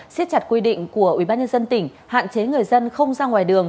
siết chặt quy định của ubnd tỉnh hạn chế người dân không ra ngoài đường